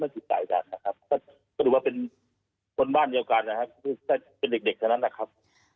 แทบ๑๐ครับ